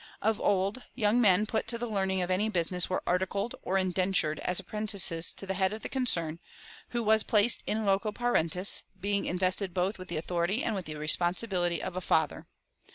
Of old, young men put to the learning of any business were "articled" or "indentured" as apprentices to the head of the concern, who was placed in loco parentis, being invested both with the authority and with the responsibility of a father.